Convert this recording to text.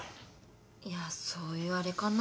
いやそういうあれかな。